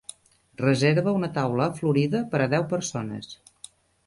reserva una taula a Florida per a deu persones